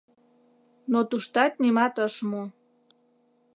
Но туштат нимат ыш му.